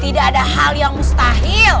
tidak ada hal yang mustahil